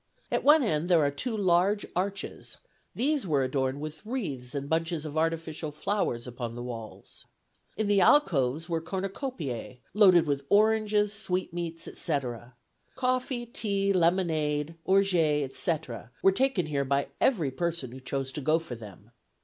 At one end there are two large arches; these were adorned with wreaths and bunches of artificial flowers upon the walls; in the alcoves were cornucopiae, loaded with oranges, sweetmeats, etc. Coffee, tea, lemonade, orgeat, etc., were taken here by every person who chose to go for them.